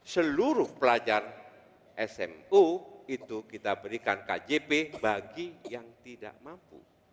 seluruh pelajar smu itu kita berikan kjp bagi yang tidak mampu